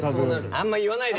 あんま言わないで。